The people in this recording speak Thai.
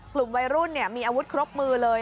กลุ่มวัยรุ่นมีอาวุธครบมือเลย